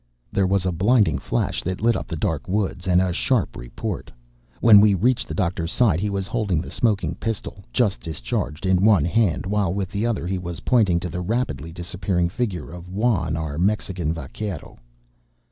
There was a blinding flash that lit up the dark woods, and a sharp report! When we reached the Doctor's side he was holding the smoking pistol, just discharged, in one hand, while with the other he was pointing to the rapidly disappearing figure of Juan, our Mexican vaquero!